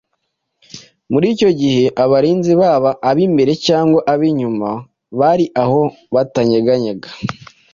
Muri icyo gihe abarinzi baba ab’imbere cyangwa ab’inyuma bari aho batanyeganyega.